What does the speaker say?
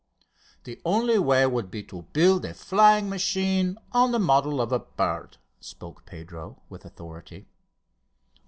"The only way would be to build a flying machine on the model of the bird," spoke up Pedro with authority.